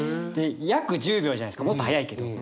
約１０秒じゃないですかもっと速いけど。